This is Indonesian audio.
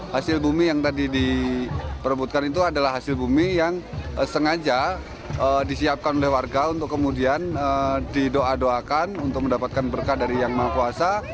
hasil bumi yang tadi diperbutkan itu adalah hasil bumi yang sengaja disiapkan oleh warga untuk kemudian didoa doakan untuk mendapatkan berkah dari yang maha kuasa